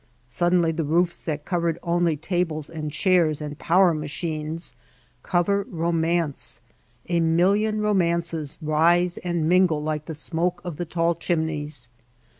Suddenly the roofs that covered only tables and chairs and power ma chines cover romance, a million romances rise and mingle like the smoke of the tall chimneys.